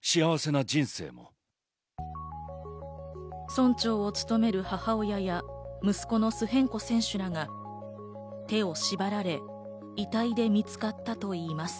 村長を務める母親や息子のスヘンコ選手らが手を縛られ、遺体で見つかったといいます。